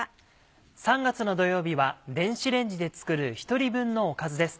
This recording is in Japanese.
３月の土曜日は電子レンジで作る１人分のおかずです。